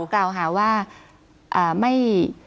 กล่าวหาว่าไม่